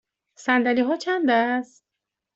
صندلی ها چند است؟